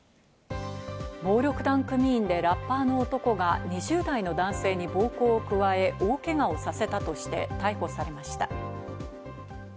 暴力団組員で、ラッパーの男が２０代の男性に暴行を加え、大怪我をさせたとして逮捕されました。